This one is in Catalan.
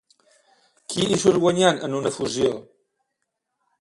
Qui hi surt guanyant en una fusió?